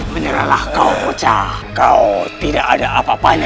menyerahlah kau pecah kau tidak ada apa apanya